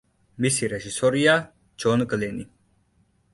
მისი რეჟისორია ჯონ გლენი.